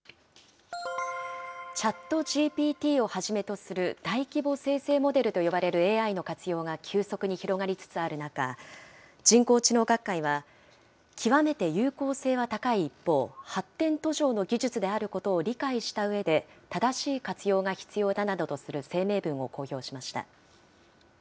ＣｈａｔＧＰＴをはじめとする大規模生成モデルと呼ばれるＡＩの活用が急速に広がりつつある中、人工知能学会は、極めて有効性は高い一方、発展途上の技術であることを理解したうえで正しい活用が必要だなどとする声明文を公表しました。